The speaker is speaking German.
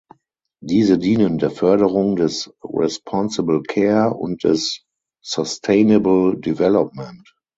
Diese dienen der Förderung des Responsible Care und des Sustainable Development.